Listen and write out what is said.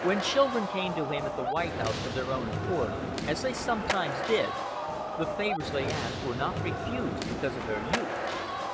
When children came to him at the White House of their own accord, as they sometimes did, the favors they asked were not refused because of their youth.